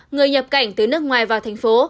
người nhập cảnh từ nước ngoài vào thành phố